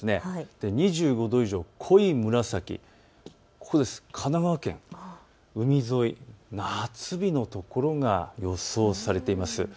２５度以上、濃い紫、神奈川県海沿い、夏日の所が予想されています。